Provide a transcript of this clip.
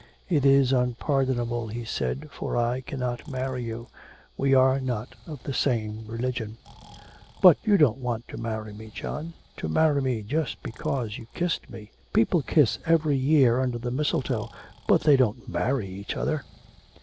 'It is unpardonable,' he said, 'for I cannot marry you. We are not of the same religion....' 'But you don't want to marry me, John to marry just because you kissed me! People kiss every year under the mistletoe but they don't marry each other.'